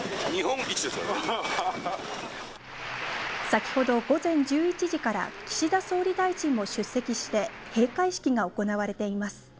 先ほど午前１１時から岸田総理大臣も出席して閉会式が行われています